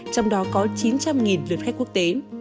trong đó có chín trăm linh lượt khách quốc tế